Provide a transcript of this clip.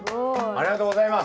ありがとうございます。